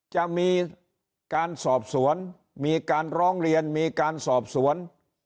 จะมีการสอบสวนมีการร้องเรียนมีการสอบสวน